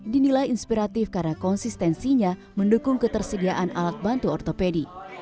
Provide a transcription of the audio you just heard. dinilai inspiratif karena konsistensinya mendukung ketersediaan alat bantu ortopedi